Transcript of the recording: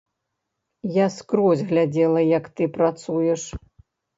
Я скрозь глядзела, як ты працуеш.